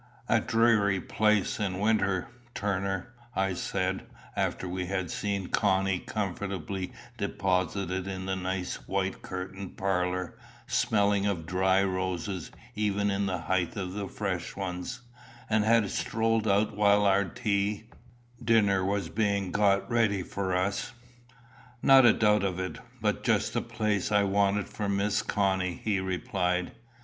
"A dreary place in winter, Turner," I said, after we had seen Connie comfortably deposited in the nice white curtained parlour, smelling of dried roses even in the height of the fresh ones, and had strolled out while our tea dinner was being got ready for us. "Not a doubt of it; but just the place I wanted for Miss Connie," he replied.